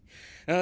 あ。